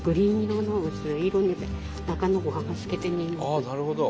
あっなるほど。